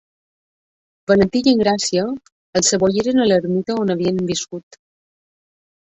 Valentí i Engràcia el sebolliren a l'ermita on havia viscut.